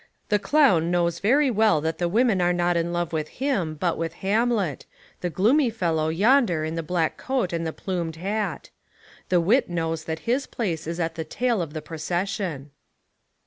The clown knows very well that the women are not In love with him, but with Hamlet, the gloomy fellow yonder in the black coat and the plumed hat. The wit knows that his place is at the tail of the procession."